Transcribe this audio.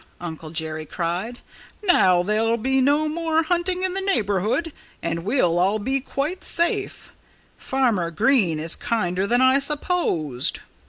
Uncle Jerry cried. "Now there'll be no more hunting in the neighborhood and we'll all be quite safe.... Farmer Green is kinder than I supposed."